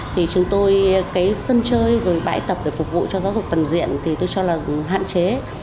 thì chúng tôi cái sân chơi rồi bãi tập để phục vụ cho giáo dục tầm diện thì tôi cho là hạn chế